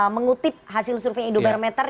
mengutip hasil survei indobarometer